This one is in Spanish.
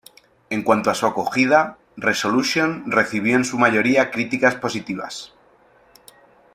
En cuanto a su acogida, "Resolution" recibió en su mayoría críticas positivas.